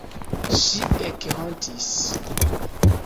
Ŝi ekhontis.